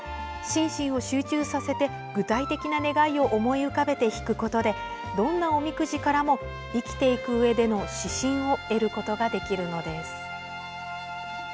心身を集中させて具体的な願いを思い浮かべて引くことでどんなおみくじからも生きていくうえでの指針を得ることができるのです。